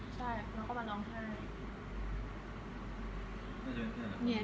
ใช่มันก็มาน้องท่า